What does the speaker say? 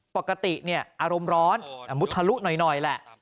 ปกติอารมณ์ร้อนมุทะลุหน่อยแหละ